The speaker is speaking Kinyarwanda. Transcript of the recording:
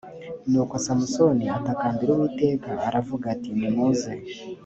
nuko samusoni atakambira uwiteka aravuga ati nimuze